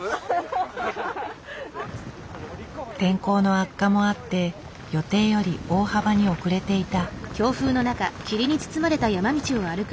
天候の悪化もあって予定より大幅に遅れていた。